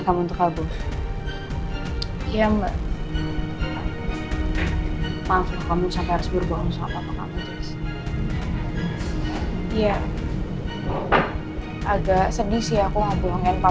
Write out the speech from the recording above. sampai jumpa di video selanjutnya